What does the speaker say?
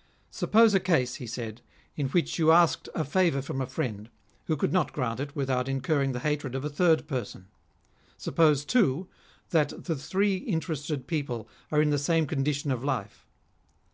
" Suppose a case," he said, " in which you asked a favour from a friend, who could not grant it without incurring the hatred of a third person. Suppose, too, that the three interested people are in the same condition of life.